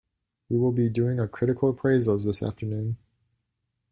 We will be doing our critical appraisals this afternoon.